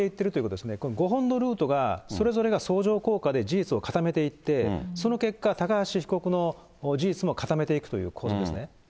これ、５本のルートが、それぞれが相乗効果で事実を固めていって、その結果、高橋被告の事実も固めていくという構図ですね。